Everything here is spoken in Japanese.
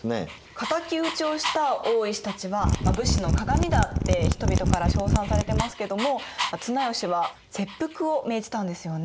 敵討ちをした大石たちは武士の鑑だって人々から称賛されてますけども綱吉は切腹を命じたんですよね。